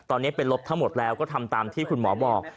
ตอนนี้เป็นลบทั้งหมดแล้วก็ทำตามที่คุณหมอบอก